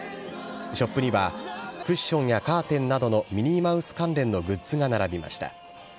ショップには、クッションやカーテンなどのミニーマウス関連のグッズが並びました。